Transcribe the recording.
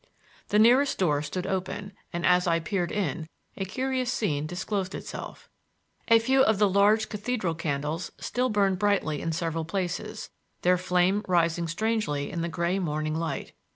The nearest door stood open, and, as I peered in, a curious scene disclosed itself. A few of the large cathedral candles still burned brightly in several places, their flame rising strangely in the gray morning light.